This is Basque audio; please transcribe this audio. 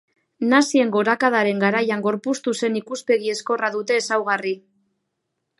Nazien gorakadaren garaian gorpuztu zen ikuspegi ezkorra dute ezaugarri.